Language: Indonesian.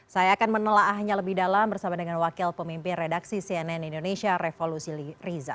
saya akan menelaahnya lebih dalam bersama dengan wakil pemimpin redaksi cnn indonesia revolusi riza